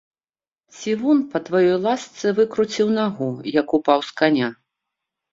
Цівун па тваёй ласцы выкруціў нагу, як упаў з каня.